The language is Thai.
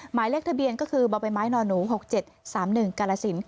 หมายเลขทะเบียนก็คือบมน๖๗๓๑กาลสิน